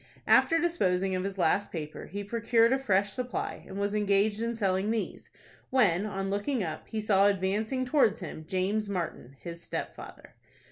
After disposing of his last paper, he procured a fresh supply, and was engaged in selling these, when, on looking up, he saw advancing towards him James Martin, his stepfather.